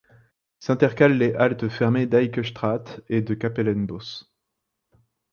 S'intercalent les haltes fermées d'Heikestraat et de Kapellenbos.